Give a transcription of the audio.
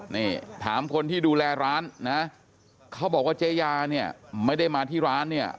นี่ถามคนที่ดูแลร้านนะเขาบอกว่าเจ๊ยาเนี่ยไม่ได้มาที่ร้านเนี่ย